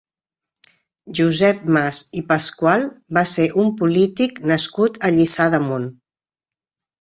Josep Mas i Pascual va ser un polític nascut a Lliçà d'Amunt.